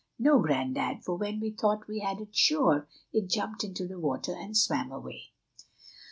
"No, Grandad, for when we thought we had it sure, it jumped into the water and swam away."